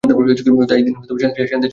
তাই তিনি শান্তি চুক্তিতে সম্মত হন।